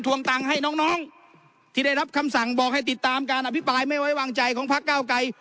ตังค์ให้น้องน้องที่ได้รับคำสั่งบอกให้ติดตามการอภิปรายไม่ไว้วางใจของพักเก้าไกร